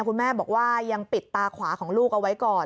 คุณแม่บอกว่ายังปิดตาขวาของลูกเอาไว้ก่อน